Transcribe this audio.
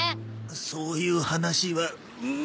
そういう話はうっ！